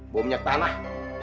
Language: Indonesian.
bawa minyak tanah